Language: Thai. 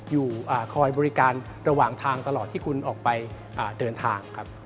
อยู่คอยบริการระหว่างทางตลอดที่คุณออกไปเดินทางครับ